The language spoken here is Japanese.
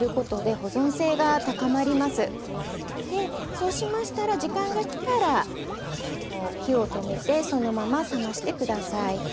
そうしましたら時間が来たら火を止めてそのまま冷まして下さい。